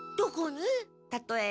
たとえば。